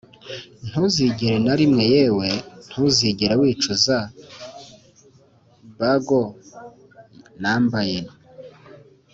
ntuzigere na rimwe yewe ntuzigera wicuza bugle nambaye